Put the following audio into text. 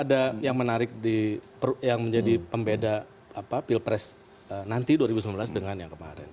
ada yang menarik yang menjadi pembeda pilpres nanti dua ribu sembilan belas dengan yang kemarin